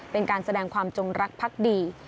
เป็นการแสดงความจงรักพักดี